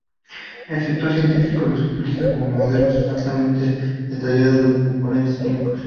El sector científico los utiliza como modelos altamente detallados de componentes químicos.